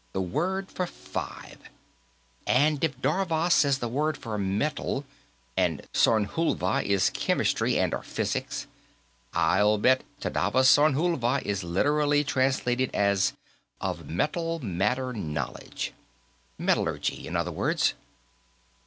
"The word for five. And if davas is the word for metal, and sornhulva is chemistry and / or physics, I'll bet Tadavas Sornhulva is literally translated as: Of Metal Matter Knowledge. Metallurgy, in other words.